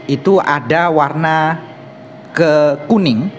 itu ada warna kekuning